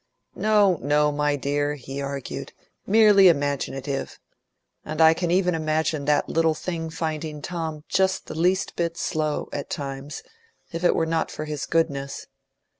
"No, no, my dear," he argued; "merely imaginative. And I can even imagine that little thing finding Tom just the least bit slow, at times, if it were not for his goodness.